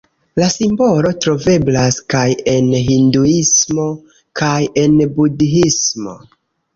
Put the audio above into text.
La simbolo troveblas kaj en hinduismo kaj en budhismo.